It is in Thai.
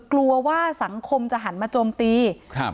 กลัวว่าสังคมจะหันมาโจมตีครับ